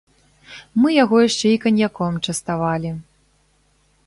Мы яго яшчэ і каньяком частавалі.